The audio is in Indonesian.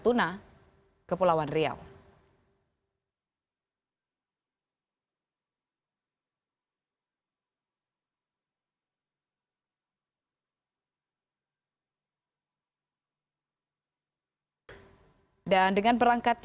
penerbangan dari batam kepulauan riau menuju ke bandara raden sajat ranai di natuna